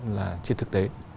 là trên thực tế